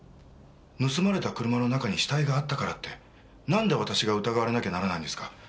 盗まれた車の中に死体があったからってなんで私が疑われなきゃならないんですか？